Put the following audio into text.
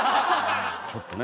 ちょっとね